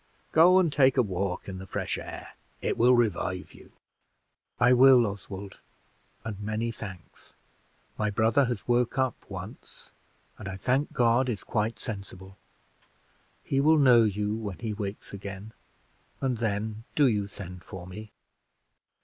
Go and take a walk in the fresh air it will revive you." "I will, Oswald, and many thanks. My brother has woke up once, and, I thank God, is quite sensible. He will know you when he wakes again, and then do you send for me."